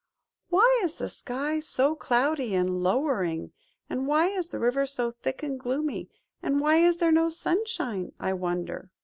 "Why is the sky so cloudy and lowering, and why is the river so thick and gloomy, and why is there no sunshine, I wonder